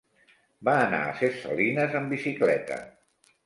Va anar a Ses Salines amb bicicleta.